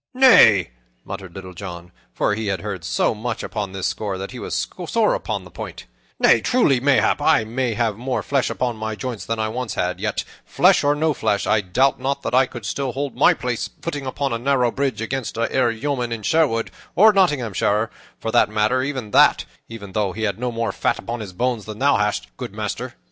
"Nay," muttered Little John (for he had heard so much upon this score that he was sore upon the point), "nay, truly, mayhap I have more flesh upon my joints than I once had, yet, flesh or no flesh, I doubt not that I could still hold my place and footing upon a narrow bridge against e'er a yeoman in Sherwood, or Nottinghamshire, for the matter of that, even though he had no more fat about his bones than thou hast, good master."